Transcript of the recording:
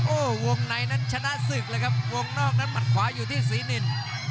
โอ้โหวงในนั้นชนะศึกเลยครับวงนอกนั้นหมัดขวาอยู่ที่ศรีนิน